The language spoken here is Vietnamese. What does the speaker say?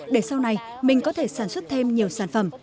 để sau này mình có thể sản xuất thêm nhiều sản phẩm